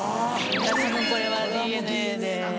たぶんこれはＤＮＡで。